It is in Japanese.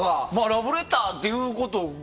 ラブレターっていうこと。